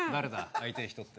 会いたい人って。